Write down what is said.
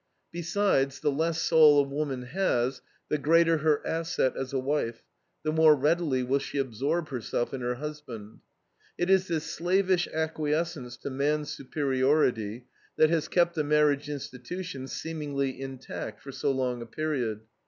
Besides, the less soul a woman has the greater her asset as a wife, the more readily will she absorb herself in her husband. It is this slavish acquiescence to man's superiority that has kept the marriage institution seemingly intact for so long a period.